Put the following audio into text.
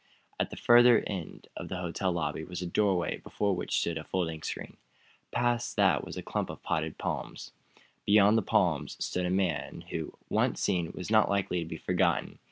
At the further end of the hotel lobby was a doorway before which stood a folding screen. Past that was a clump of potted palms. Behind the palms stood a man who, once seen, was not likely to be forgotten.